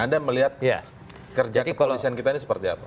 anda melihat kerja kepolisian kita ini seperti apa